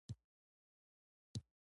زما ورونه ډیر دي